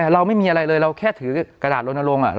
อยู่ที่แนวคิดในการมอง